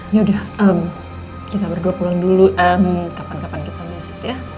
yaudah kita berdua pulang dulu kapan kapan kita visit ya